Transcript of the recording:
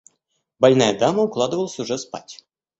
Больная дама укладывалась уже спать.